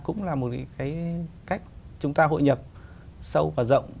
cũng là một cái cách chúng ta hội nhập sâu và rộng